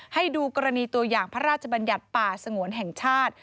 ให้ดูกรณีตัวอย่างพระราชบัญญัติป่าสงวนแห่งชาติ